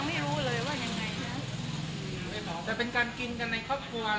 เต็มแล้ว